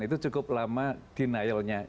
itu cukup lama denialnya